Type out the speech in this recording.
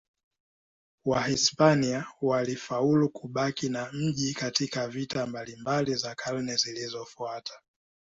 Wahispania walifaulu kubaki na mji katika vita mbalimbali za karne zilizofuata.